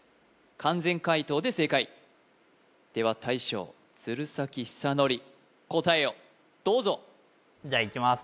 完全解答で正解では大将鶴崎修功答えをどうぞじゃあいきます